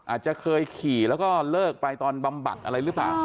อาจจะเคยขี่แล้วก็เลิกไปตอนบำบัดอะไรหรือเปล่า